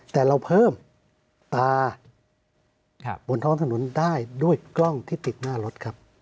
แต่เราเพิ่มตาบนท้องถนนได้ด้วยกล้องที่ติดหน้ารถครับ